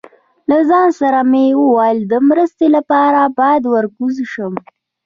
له ځان سره مې وویل، د مرستې لپاره یې باید ور کوز شم.